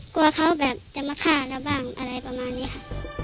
กลัวเขาแบบจะมาฆ่าเราบ้างอะไรประมาณนี้ค่ะ